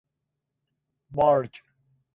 مارج